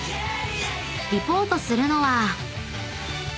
［リポートするのは］